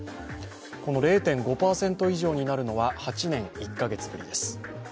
この０．５％以上になるのは８年１か月ぶりです。